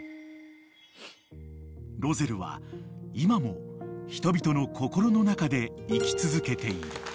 ［ロゼルは今も人々の心の中で生き続けている］